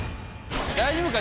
大丈夫か？